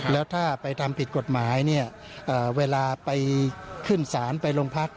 แล้วถ้าไปทำผิดกฎหมายเวลาไปขึ้นศาลไปโรงพัก